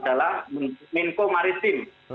adalah menteri info maristim